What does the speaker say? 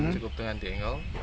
cukup dengan diengkol